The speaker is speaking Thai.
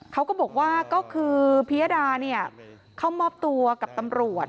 เขาก็บอกว่าก็คือพิยดาเข้ามอบตัวกับตำรวจ